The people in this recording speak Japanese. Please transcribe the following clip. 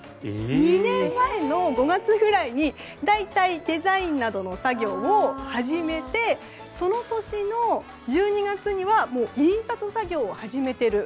２年前の５月くらいに大体デザインなどの作業を始めてその年の１２月には印刷作業を始めている。